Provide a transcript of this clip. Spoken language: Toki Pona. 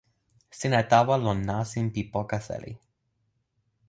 sina tawa lon nasin pi poka seli.